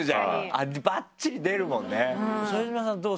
あれバッチリ出るもんね。